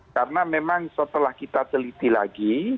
karena memang setelah kita teliti lagi